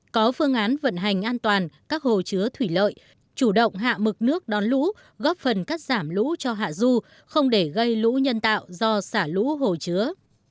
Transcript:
có phương án vận hành an toàn các hồ chứa thủy lợi chủ động hạ mực nước đón lũ góp phần cắt giảm lũ cho hạ du không để gây lũ nhân tạo do xả lũ hồ chứa